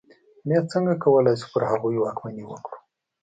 بیا څنګه کولای شو پر هغوی واکمني وکړو.